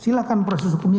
silakan proses hukumnya